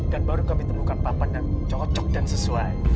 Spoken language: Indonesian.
dan baru kami temukan papan yang cocok dan sesuai